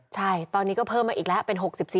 ใช่ตอนนี้ก็เพิ่มมาอีกแล้วเป็น๖๔